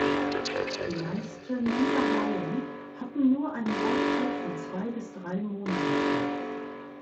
Die meisten dieser Leihen hatten nur eine Laufzeit von zwei bis drei Monaten.